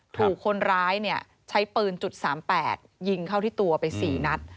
ถูกคนร้ายใช้ปืน๓๘ยิงเข้าที่ตัวไป๔นัด